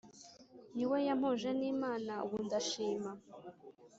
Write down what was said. Niwe yampuje n'Imana ubu ndashima